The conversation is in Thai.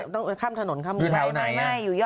ต้องก็ท่ามถนนข้ามด้วย